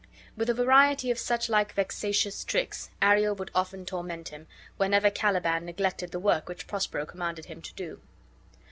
With a variety of such like vexatious tricks Ariel would often torment him, whenever Caliban neglected the work which Prospero commanded him to do.